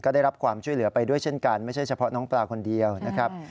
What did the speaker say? ได้รับความช่วยเหลือไปด้วยเช่นกันไม่ใช่เฉพาะน้องปลาคนเดียวนะครับ